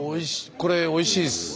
これおいしいです。